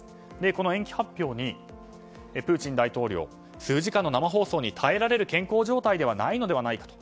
この延期発表にプーチン大統領数時間の生放送に耐えられる健康状態ではないのではないかと。